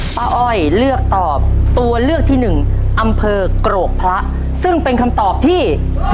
อ้อยเลือกตอบตัวเลือกที่หนึ่งอำเภอกรกพระซึ่งเป็นคำตอบที่